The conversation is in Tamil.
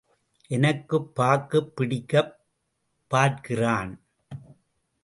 எனக்குப் பாக்குப் பிடிக்கப் பார்க்கிறான்.